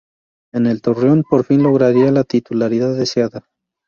En el "torreón" por fin lograría la titularidad deseada.